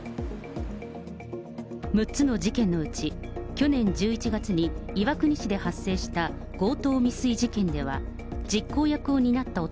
６つの事件のうち、去年１１月に岩国市で発生した強盗未遂事件では、実行役を担った男、